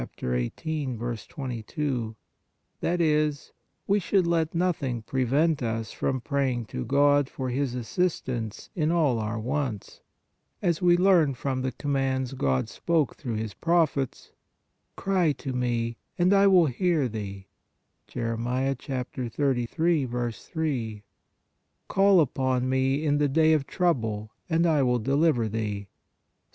22), that is, we should let nothing prevent us from praying to God for His assistance in all our wants, as we learn from the commands God spoke through His prophets :" Cry to Me, and I will hear 15 16 PRAYER thee" (Jer. 33. 3) ;" Call upon Me in the day of trouble, and I will deliver thee" (Ps.